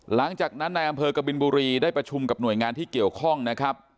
หลังจากนั้นนายอำเภอกบินบุรีได้ประชุมกับหน่วยงานที่เกี่ยวข้องนะครับ